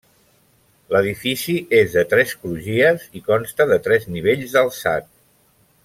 L'edifici és de tres crugies i consta de tres nivells d'alçat.